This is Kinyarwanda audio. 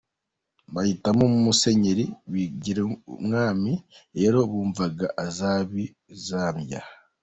Bahitamo Musenyeri Bigirumwami rero bumvaga azabizambya.